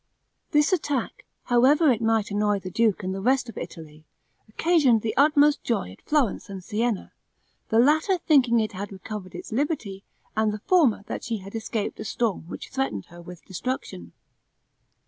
This attack, however it might annoy the duke and the rest of Italy, occasioned the utmost joy at Florence and Sienna; the latter thinking it had recovered its liberty, and the former that she had escaped a storm which threatened her with destruction.